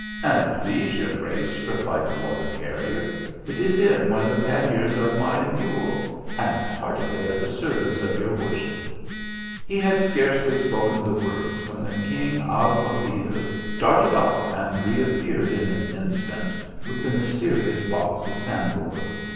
" An it please your grace," replied the water carrier, " it is in one of the panniers of my mule, and heartily at the service of your worship." He had hardly spoken the words when the keen alguazil darted off and reappeared in an instant with the mysterious box of sandal wood.